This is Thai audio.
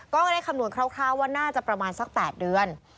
ก็ได้คำนวนคร่าวว่าน่าจะประมาณสัก๘เดือน